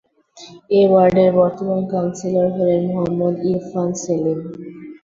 এ ওয়ার্ডের বর্তমান কাউন্সিলর হলেন মোহাম্মদ ইরফান সেলিম।